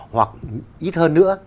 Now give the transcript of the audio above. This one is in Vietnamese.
đó là một năm đô một năm